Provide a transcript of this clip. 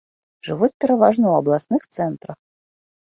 Жывуць пераважна ў абласных цэнтрах.